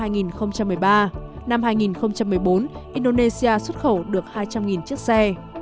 năm hai nghìn một mươi bốn indonesia xuất khẩu được hai trăm linh chiếc xe